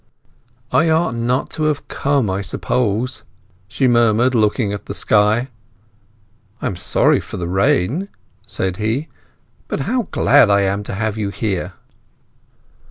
"I ought not to have come, I suppose," she murmured, looking at the sky. "I am sorry for the rain," said he. "But how glad I am to have you here!"